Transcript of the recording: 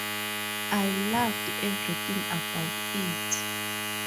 I loved everything about it.